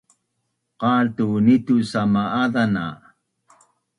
Qaltu ni tu sama’azan na’